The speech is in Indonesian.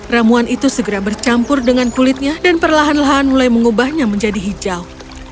ramuan itu segera bercampur dengan kulitnya dan perlahan lahan mulai mengubahnya menjadi hijau